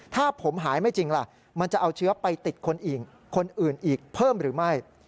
ถ้าผมหายไม่จริงล่ะมันจะเอาเชื้อไปติดคนอื่นอีกเพิ่มหรือไม่